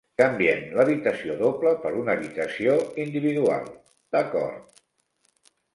Canviem l'habitació doble per una habitació individual, d'acord.